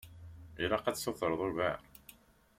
Ilaq ad tessutreḍ urag.